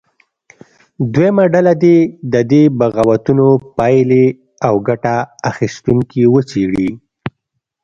دویمه ډله دې د دې بغاوتونو پایلې او ګټه اخیستونکي وڅېړي.